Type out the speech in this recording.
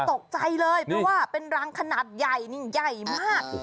ตกใจเลยเพราะว่าเป็นรังขนาดใหญ่นี่ใหญ่มาก